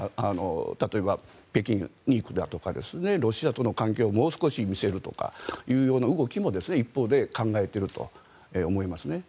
例えば北京に行くだとかロシアとの関係をもう少し見せるという動きも一方で考えていると思いますね。